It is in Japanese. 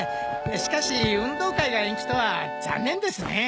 しかし運動会が延期とは残念ですね。